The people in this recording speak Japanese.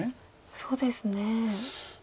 そうですね。